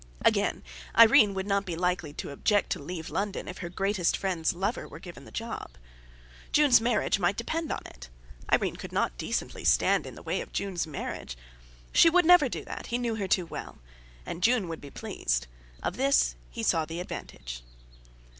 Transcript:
Again, Irene would not be to likely to object to leave London if her greatest friend's lover were given the job. Jun's marriage might depend on it. Irene could not decently stand in the way of Jun's marriage; she would never do that, he knew her too well. And June would be pleased; of this he saw the advantage.